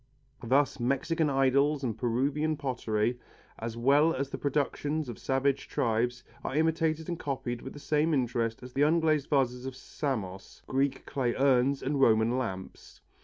Thus Mexican idols and Peruvian pottery, as well as the productions of savage tribes, are imitated and copied with the same interest as the unglazed vases of Samos, Greek clay urns and Roman lamps.